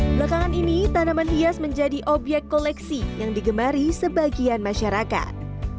belakangan ini tanaman hias menjadi obyek koleksi yang digemari sebagian masyarakat